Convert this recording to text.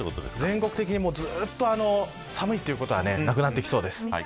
全国的に寒いということはなくなってきそうです。